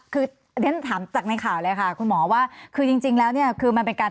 คือเรียนถามจากในข่าวเลยค่ะคุณหมอว่าคือจริงแล้วเนี่ยคือมันเป็นการ